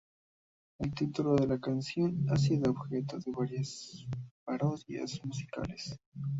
El título de la canción ha sido objeto de varias parodias musicales.